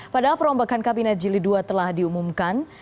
padahal perombakan kabinet jili dua telah diumumkan